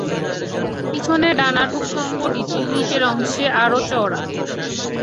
পিছনের ডানার উক্ত পটি টি নিচের অংশে আরো চওড়া।